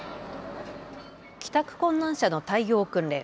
帰宅困難者の対応訓練。